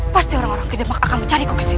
pasti orang orang kedemang akan mencari kok kesini